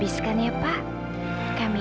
selamat makan pak haris